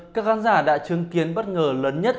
các khán giả đã chứng kiến bất ngờ lớn nhất